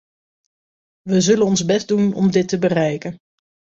We zullen ons best doen om dit te bereiken.